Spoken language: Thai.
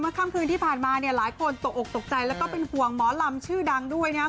ค่ำคืนที่ผ่านมาเนี่ยหลายคนตกออกตกใจแล้วก็เป็นห่วงหมอลำชื่อดังด้วยนะครับ